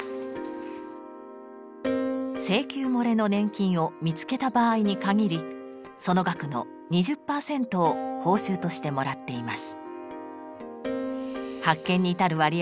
請求もれの年金を見つけた場合にかぎりその額の２０％を報酬としてもらっています。